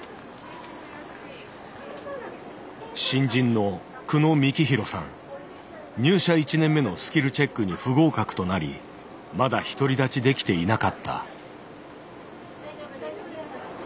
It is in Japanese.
新人の入社１年目のスキルチェックに不合格となりまだ独り立ちできていなかった。